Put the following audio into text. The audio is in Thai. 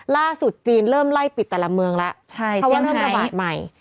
ล่าสุดจีนเริ่มไล่ปิดแต่ละเมืองแล้วเพราะว่านั่นประบาทใหม่ใช่เซียงไทย